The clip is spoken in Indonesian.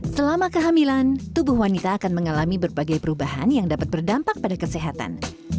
selama kehamilan tubuh wanita akan mengalami berbagai perubahan yang dapat berdampak pada kesehatan